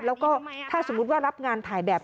แล้วก็ถ้าสมมุติว่ารับงานถ่ายแบบ